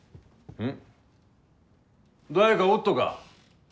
うん？